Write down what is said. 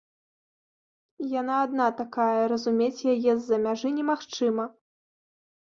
Яна адна такая, разумець яе з-за мяжы немагчыма.